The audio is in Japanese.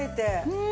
うん。